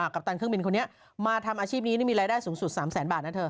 ปัปตันเครื่องบินคนนี้มาทำอาชีพนี้นี่มีรายได้สูงสุด๓แสนบาทนะเธอ